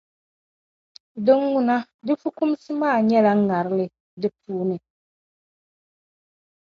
Din ŋuna, di fukumsi maa nyɛla ŋarili di puuni.